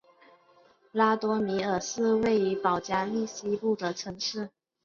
拉多米尔是位于保加利亚西部的城市。